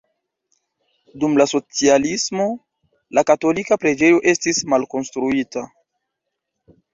Dum la socialismo la katolika preĝejo estis malkonstruita.